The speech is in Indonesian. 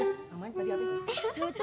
namanya tadi apa itu